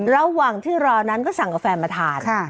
ระหว่างที่รอนั้นก็สั่งกาแฟมาทาน